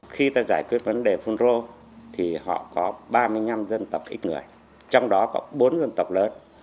khi ta giải quyết vấn đề phun rô thì họ có ba mươi năm dân tộc ít người trong đó có bốn dân tộc lớn